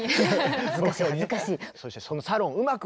恥ずかしい恥ずかしい。